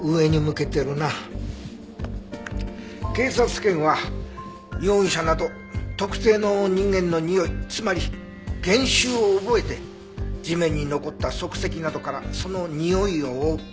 警察犬は容疑者など特定の人間のにおいつまり原臭を覚えて地面に残った足跡などからそのにおいを追う。